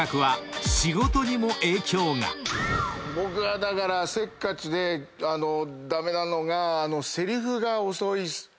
僕はせっかちで駄目なのが。